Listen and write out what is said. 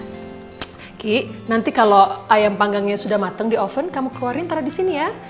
kiki nanti kalau ayam panggangnya sudah mateng di oven kamu keluarin ntar disini ya